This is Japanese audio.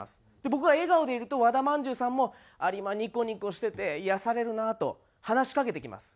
僕が笑顔でいると和田まんじゅうさんも「有馬ニコニコしてて癒やされるなあ」と話しかけてきます。